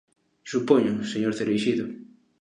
Supoño, señor Cereixido.